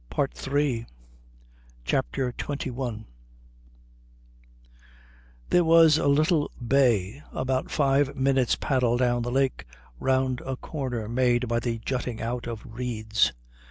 PART III CHAPTER XXI There was a little bay about five minutes' paddle down the lake round a corner made by the jutting out of reeds.